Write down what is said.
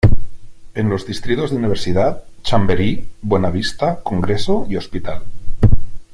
En los distritos de Universidad, Chamberí, Buenavista, Congreso y Hospital.